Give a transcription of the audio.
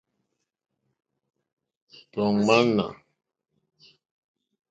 Tɔ̀ ŋmánà.